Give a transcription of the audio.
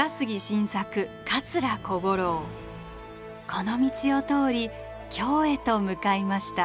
この道を通り京へと向かいました。